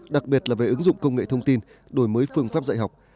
đặc biệt là về ứng dụng công nghệ thông tin đổi mới phương pháp dạy học